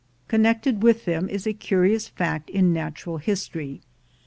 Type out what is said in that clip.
Connected with them is a curious fact in natural history.